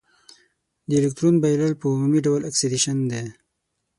د الکترون بایلل په عمومي ډول اکسیدیشن دی.